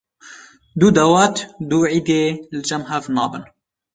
Du dawet du eydê li cem hev nabin.